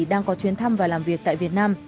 đang có chuyến thăm và làm việc tại việt nam